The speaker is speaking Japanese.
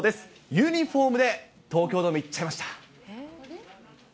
ユニホームで東京ドーム行っちゃいました。